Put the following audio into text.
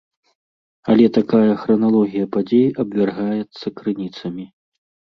Але такая храналогія падзей абвяргаецца крыніцамі.